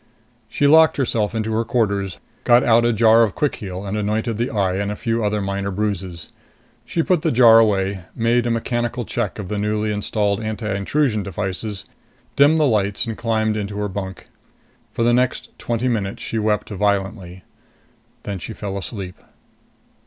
She locked herself into her quarters, got out a jar of quick heal and anointed the eye and a few other minor bruises. She put the jar away, made a mechanical check of the newly installed anti intrusion devices, dimmed the lights and climbed into her bunk. For the next twenty minutes she wept violently. Then she fell asleep.